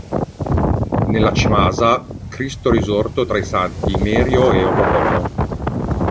Nella cimasa, "Cristo risorto tra i santi Imerio e Omobono".